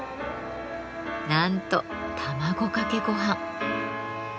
なんと卵かけごはん。